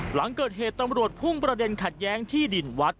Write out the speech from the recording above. หลังเกิดเหตุตำรวจพุ่งประเด็นขัดแย้งที่ดินวัด